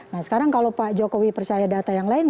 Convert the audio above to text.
nah sekarang kalau pak jokowi percaya data yang lain